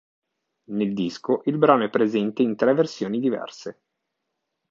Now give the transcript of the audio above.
Nel disco il brano è presente in tre versioni diverse.